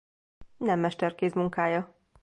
Nem mesterkéz munkája!